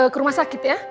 ke rumah sakit ya